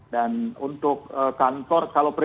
dan untuk kantor kalau persis